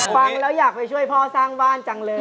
ฟังแล้วอยากไปช่วยพ่อสร้างบ้านจังเลย